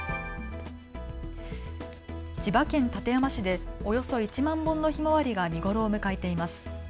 千葉県館山市でおよそ１万本のひまわりが見頃を迎えています。